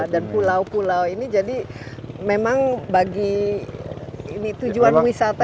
dan pulau pulau ini jadi memang bagi tujuan wisata itu